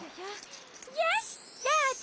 よしどうぞ！